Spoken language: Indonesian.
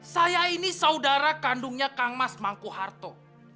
saya ini saudara kandungnya kang mas mangku harto